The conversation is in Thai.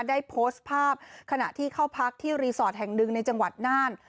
ได้โพสต์ภาพขณะที่เข้าพักที่รีสอร์ทแห่งหนึ่งในจังหวัดน่าน